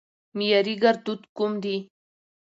معياري ګړدود کوم دي؟